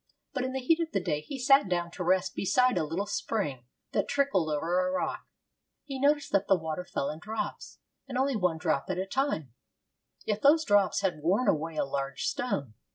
But in the heat of the day he sat down to rest beside a little spring that trickled over a rock. He noticed that the water fell in drops, and only one drop at a time; yet those drops had worn away a large stone.